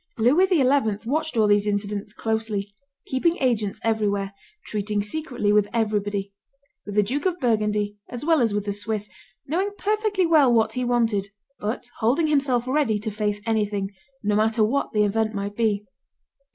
Louis XI. watched all these incidents closely, keeping agents everywhere, treating secretly with everybody, with the Duke of Burgundy as well as with the Swiss, knowing perfectly well what he wanted, but holding himself ready to face anything, no matter what the event might be.